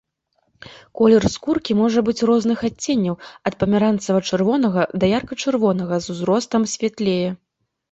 Колер скуркі можа быць розных адценняў ад памяранцава-чырвонага да ярка-чырвонага, з узростам святлее.